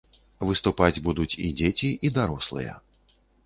Выступаць будуць і дзеці, і дарослыя.